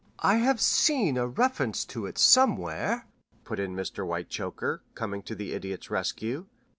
"I have seen a reference to it somewhere," put in Mr. Whitechoker, coming to the Idiot's rescue.